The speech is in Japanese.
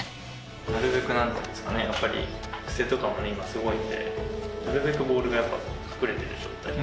なるべく、なんですかね、やっぱり癖とかも今、すごいんで、なるべくボールがやっぱり隠れている状態。